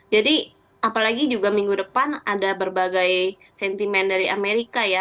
jadi apalagi juga minggu depan ada berbagai sentimen dari amerika ya